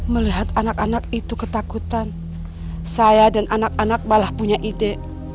melihat anak anak itu ketakutan saya dan anak anak malah punya ide